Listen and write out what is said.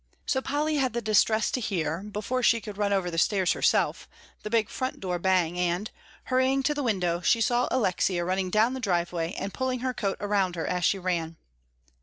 So Polly had the distress to hear, before she could run over the stairs herself, the big front door bang, and, hurrying to the window, she saw Alexia running down the driveway and pulling her coat around her as she ran.